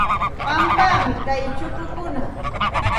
Qampam kay chukukuna.